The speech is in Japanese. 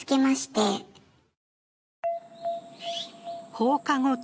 放課後等